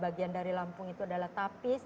bagian dari lampung itu adalah tapis